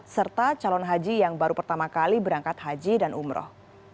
serta calon haji yang baru pertama kali berangkat haji dan umroh